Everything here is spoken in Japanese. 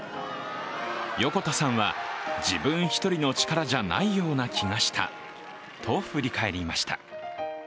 横田さんは、自分一人の力じゃないような気がしたと振り返りました。